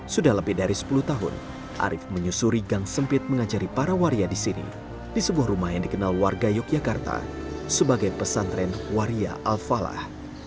sudah lebih dari sepuluh tahun arief menyusuri gang sempit mengajari para waria di sini di sebuah rumah yang dikenal warga yogyakarta sebagai pesantren waria al falah